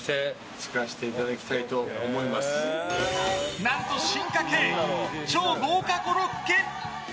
何と進化系、超豪華コロッケ。